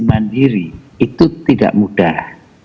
mandiri itu tidak mudah